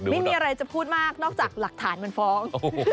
ไม่มีอะไรจะพูดมากนอกจากหลักฐานมันฟ้อง